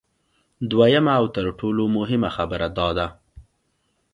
دویمه او تر ټولو مهمه خبره دا ده